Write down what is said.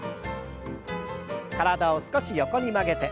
体を少し横に曲げて。